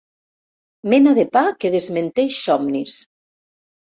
Mena de pa que desmenteix somnis.